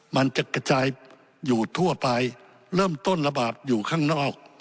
มันจะกระจายอยู่ทั่วไปเริ่มต้นระบาดอยู่ข้างนอก